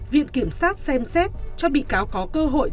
viện kiểm sát xem xét cho bị cáo có cơ hội